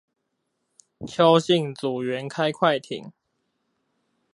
邱姓組員開快艇